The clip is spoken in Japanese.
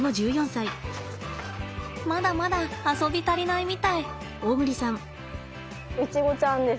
まだまだ遊び足りないみたい。